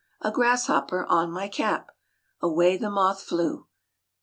(A grasshopper on my cap! Away the moth flew!)